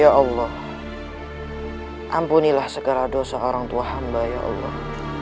ya allah ampunilah segera dosa orang tua hamba ya allah